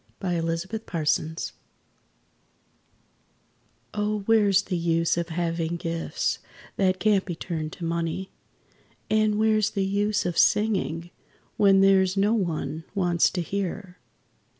WHERE'S THE USE Oh, where's the use of having gifts that can't be turned to money? And where's the use of singing, when there's no one wants to hear?